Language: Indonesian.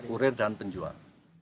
kurir dan penjual